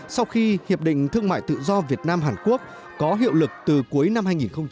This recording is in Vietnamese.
sau khi hiệp định thương mại tự do việt nam hàn quốc có hiệu lực từ cuối năm hai nghìn một mươi tám